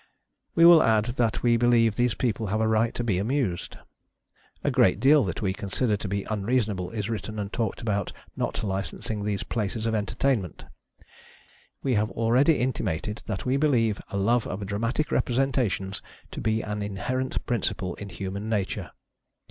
We will add that we believe these people have a right to be amused. A great deal that we consider to be unreason able is written and talked about not licensiug these places of entertainment. We have already intimated that we be lieve a love of dramatic representations to be an inherent principle in human nature.